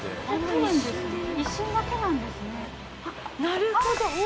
なるほど！